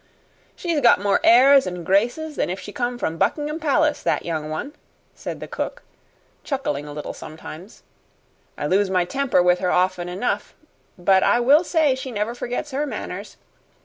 "She's got more airs and graces than if she come from Buckingham Palace, that young one," said the cook, chuckling a little sometimes. "I lose my temper with her often enough, but I will say she never forgets her manners.